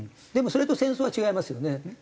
でもそれと戦争は違いますよね。